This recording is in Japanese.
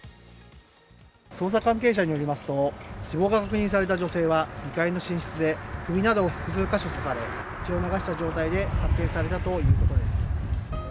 捜査関係者によりますと死亡が確認された女性は２階の寝室で首などを複数箇所刺され血を流した状態で発見されたということです。